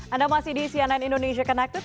anda masih di cnn indonesia connected